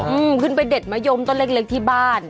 อืมขึ้นไปเด็ดมะยมต้นเล็กเล็กที่บ้าน